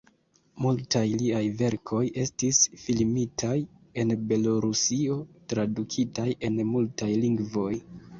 Multaj liaj verkoj estis filmitaj en Belorusio, tradukitaj en multaj lingvoj.